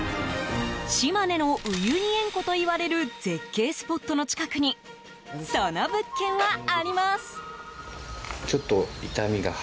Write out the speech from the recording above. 島根のウユニ塩湖といわれる絶景スポットの近くにその物件はあります。